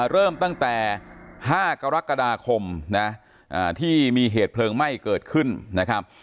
เริ่มตั้งแต่๕กรกฎาคมนะที่มีเหตุเพลิงไหม้เกิดขึ้นนะครับ